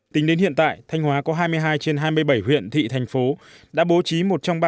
tính đến hiện tại thanh hóa có hai mươi hai trên hai mươi bảy huyện thị thành phố đã bố trí một trong ba